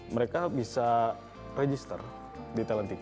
mereka bisa register di talentik